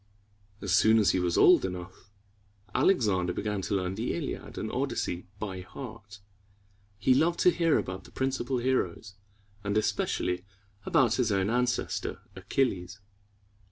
As soon as he was old enough, Alexander began to learn the Iliad and Odyssey by heart; and he loved to hear about the principal heroes, and especially about his own ancestor, Achilles.